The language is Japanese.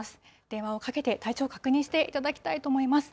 電話をかけて体調を確認していただきたいと思います。